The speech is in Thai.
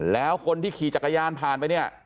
แล้วคนที่ขี่จักรยานผ่านไปเนี่ย